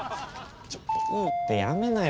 いいってやめなよお前。